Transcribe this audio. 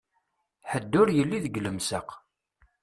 Ḥedd ur yelli deg lemsaq.